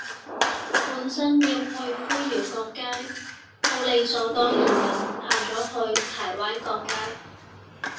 本身要去灰窰角街，好理所當然噉行咗去柴灣角街